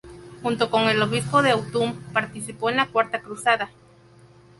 Junto con el obispo de Autun, participó en la Cuarta Cruzada.